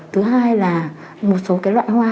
thứ hai là một số cái loại hoa